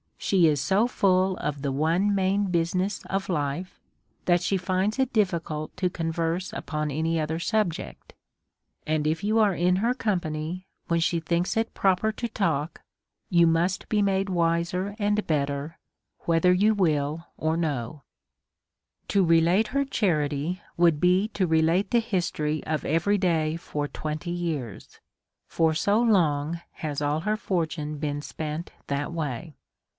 She is so full of the one main business of life, that she finds it diflicult to converse upon any other subject ; and if you are in her company when she thinks pro per to talk, you must be made wiser and better whe ther you will or not. To relate her charity would be to relate the history of every day for twenty years ; for so long has all her fortune been spent that way.